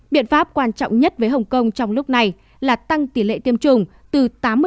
biện pháp quan trọng nhất với hồng kông trong lúc này là tăng tỷ lệ tiêm chủng từ tám mươi